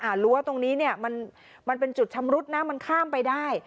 รั้วตรงนี้เนี่ยมันมันเป็นจุดชำรุดนะมันข้ามไปได้